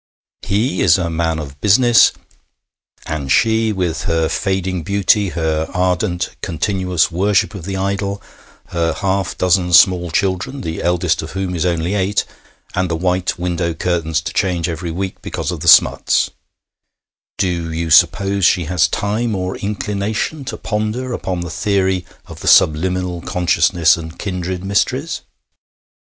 He is a man of business, and she, with her fading beauty, her ardent, continuous worship of the idol, her half dozen small children, the eldest of whom is only eight, and the white window curtains to change every week because of the smuts do you suppose she has time or inclination to ponder upon the theory of the subliminal consciousness and kindred mysteries?